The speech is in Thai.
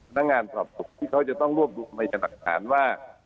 นักงานสอบถึงที่เขาจะต้องรวบดูในหัคษัททางว่า